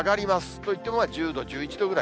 といっても１０度、１１度ぐらい。